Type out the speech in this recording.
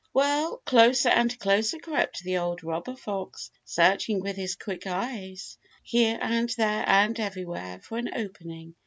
Well, closer and closer crept the old robber fox, searching with his quick eyes here and there and everywhere for an opening.